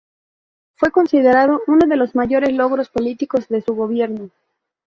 Fue considerado uno de los mayores logros políticos de su gobierno.